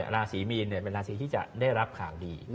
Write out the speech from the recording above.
ราศีมีนเป็นราศีที่จะได้รับข่าวดี